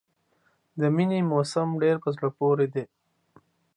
د مني موسم ډېر په زړه پورې دی.